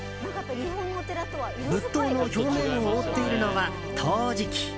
仏塔の表面を覆っているのは陶磁器。